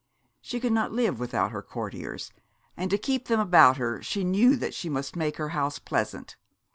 She could not live without her courtiers; and to keep them about her she knew that she must make her house pleasant.